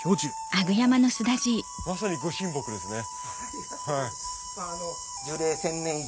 あまさにご神木ですね。